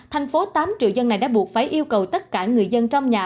thành phố tám triệu dân này đã buộc phải yêu cầu tất cả người dân trong nhà